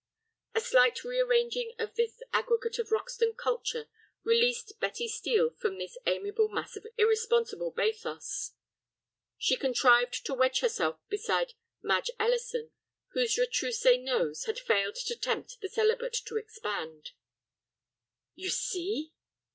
A slight rearranging of this aggregate of Roxton culture released Betty Steel from this amiable mass of irresponsible bathos. She contrived to wedge herself beside Madge Ellison, whose retroussé nose had failed to tempt the celibate to expand. "You see?"